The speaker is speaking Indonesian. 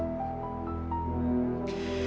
jangan sakiti manuhara pak